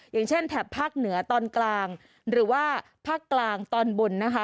อย่างเช่นแถบภาคเหนือตอนกลางหรือว่าภาคกลางตอนบนนะคะ